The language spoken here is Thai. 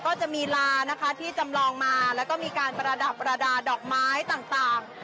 ก็จะมีลานะคะที่จำลองมาแล้วก็มีการประดับประดาษดอกไม้ต่าง